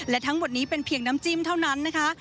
และทั้งหมดนี้เป็นเพียงน้ำจิ้มเท่านั้นนะคะ